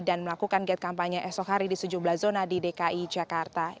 dan melakukan kegiatan kampanye esok hari di tujuh belas zona di dki jakarta